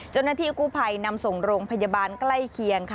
เจ้าหน้าที่กู้ภัยนำส่งโรงพยาบาลใกล้เคียงค่ะ